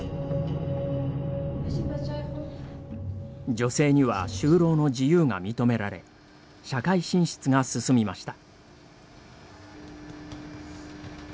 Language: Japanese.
女性には、就労の自由が認められ社会進出が進みました。